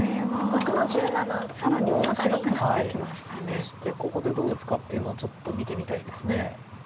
そしてここでどう打つかっていうのをちょっと見てみたいです。